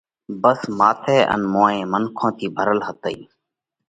ڀس ماٿئہ ان موئين منکون ٿِي ڀرال هتئِي۔